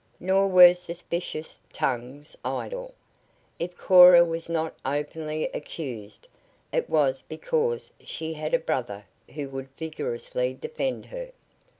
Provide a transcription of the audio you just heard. Nor were suspicious tongues idle. If Cora was not openly accused, it was because she had a brother who would vigorously defend her.